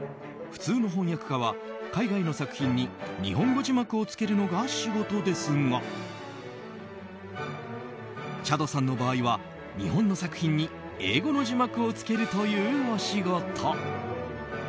普通の翻訳家は海外の作品に日本語字幕を付けるのが仕事ですがチャドさんの場合は日本の作品に英語の字幕を付けるというお仕事。